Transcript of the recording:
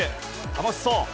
楽しそう。